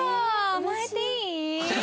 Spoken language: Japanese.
甘えていい？